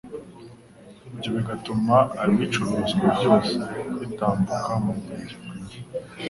ibyo bigatuma ibicuruzwa byose bitambuka mugihe gikwiye